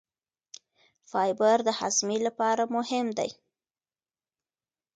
فایبر د هاضمې لپاره مهم دی.